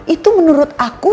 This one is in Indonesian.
itu menurut aku